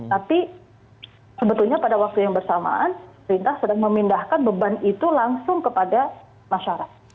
tapi sebetulnya pada waktu yang bersamaan perintah sedang memindahkan beban itu langsung kepada masyarakat